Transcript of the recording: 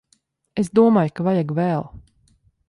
Es domāju ka vajag vēl.